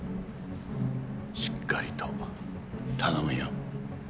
しっかりと頼むよ。